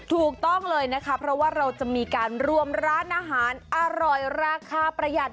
ถูกต้องเลยนะคะเพราะว่าเราจะมีการรวมร้านอาหารอร่อยราคาประหยัด